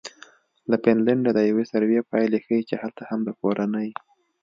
له فنلنډه د یوې سروې پایلې ښیي چې هلته هم د کورنۍ